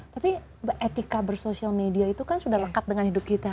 tapi etika bersosial media itu kan sudah lekat dengan hidup kita